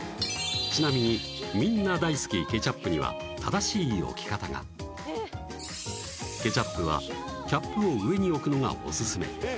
ちなみにみんな大好きケチャップには正しい置き方がケチャップはキャップを上に置くのがオススメ